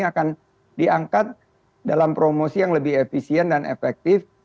akan diangkat dalam promosi yang lebih efisien dan efektif